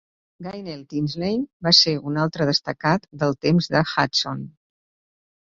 Gaynell Tinsley va ser un altre destacat del temps de Hutson.